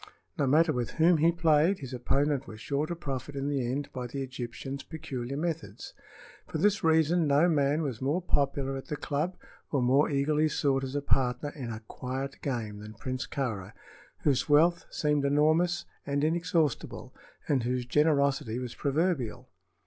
No matter with whom he played, his opponent was sure to profit in the end by the Egyptian's peculiar methods. For this reason no man was more popular at the club or more eagerly sought as a partner in "a quiet game" than Prince Kāra, whose wealth seemed enormous and inexhaustible and whose generosity was proverbial.